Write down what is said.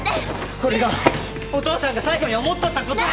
これがお父さんが最後に思っとったことや！